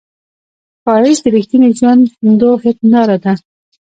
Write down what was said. ښایست د رښتینې ژوندو هنداره ده